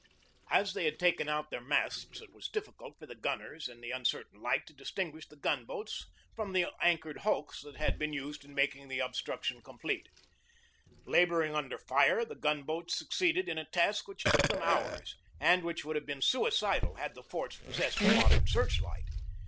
As they had taken out their masts it was difficult for the gunners in the uncertain light to distinguish the gun boats from the anchored hulks that had BEGINNING OF THE CIVIL WAR 59 been used in making the obstruction complete. Laboring under fire, the gun boats succeeded in a task which took them hours, and which would have been suicidal had the forts possessed a modern search light.